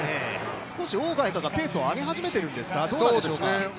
少しオウ・ガイカがペースを上げ始めてるんでしょうか。